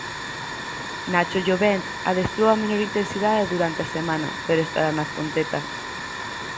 Nacho Llovent adestrou a menor intensidade durante a semana, pero estará na Fonteta.